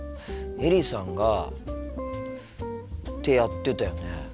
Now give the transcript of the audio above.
エリさんがってやってたよね。